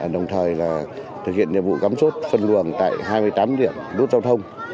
đồng thời thực hiện nhiệm vụ gắm chốt phân luồng tại hai mươi tám điểm đốt giao thông